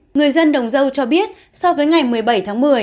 người dân đồng dâu cho biết so với ngày một mươi bảy tháng một mươi